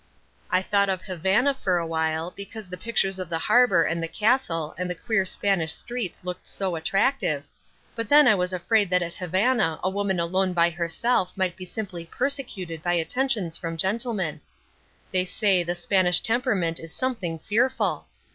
I thought of Havana for a while, because the pictures of the harbour and the castle and the queer Spanish streets looked so attractive, but then I was afraid that at Havana a woman alone by herself might be simply persecuted by attentions from gentlemen. They say the Spanish temperament is something fearful.